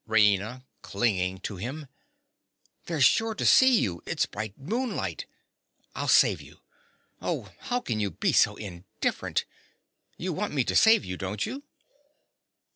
RAINA. (clinging to him). They're sure to see you: it's bright moonlight. I'll save you—oh, how can you be so indifferent? You want me to save you, don't you?